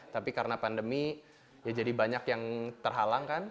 tapi karena pandemi ya jadi banyak yang terhalang kan